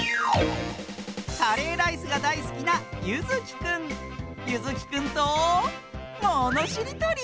カレーライスがだいすきなゆずきくんとものしりとり！